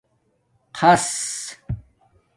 خص